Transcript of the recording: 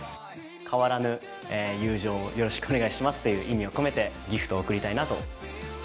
「変わらぬ友情をよろしくお願いします」という意味を込めてギフトを贈りたいなと。